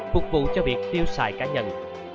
phục vụ cho việc tiêu xài cá nhân